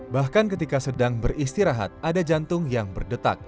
bahkan ketika sedang beristirahat ada jantung yang berdetak